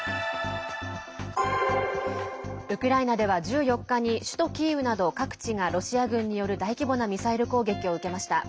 ウクライナでは１４日に首都キーウなど各地がロシア軍による大規模なミサイル攻撃を受けました。